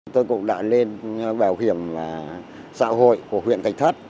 tôi cũng đã lên bảo hiểm xã hội của huyện thạch thất